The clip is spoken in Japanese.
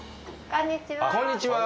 こんにちは。